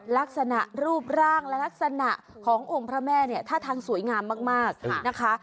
ลักษณะรูปร่างลักษณะขององพระแม่ถ้าทางสวยงามมากนะคะ